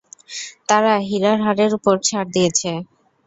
তারা হীরার হারের উপর ছাড় দিয়েছে।